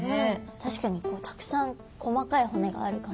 確かにたくさん細かい骨がある感じですね。